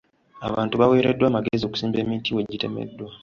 Abantu baaweereddwa amagezi okusimba emiti we gitemeddwa.